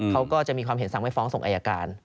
เขาก็จะมีความเห็นสั่งไม่ฟ้องส่งอายการ